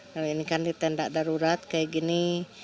kalau ini kan di tenda darurat kayak gini